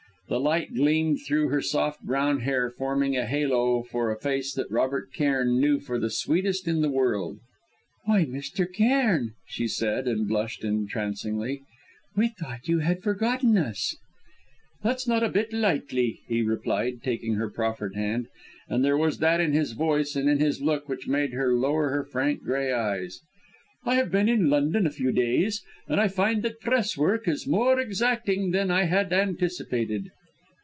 The light gleamed through her soft, brown hair forming a halo for a face that Robert Cairn knew for the sweetest in the world. "Why, Mr. Cairn," she said, and blushed entrancingly "we thought you had forgotten us." "That's not a little bit likely," he replied, taking her proffered hand, and there was that in his voice and in his look which made her lower her frank grey eyes. "I have only been in London a few days, and I find that Press work is more exacting than I had anticipated!"